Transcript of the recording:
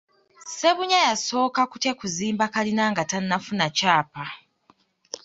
Ssebunya yasooka kutya kuzimba kalina nga tannafuna kyapa.